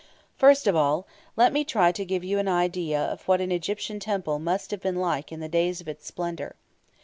First of all, let me try to give you an idea of what an Egyptian temple must have been like in the days of its splendour.